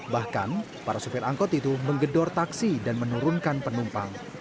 bahkan para sopir angkot itu menggedor taksi dan menurunkan penumpang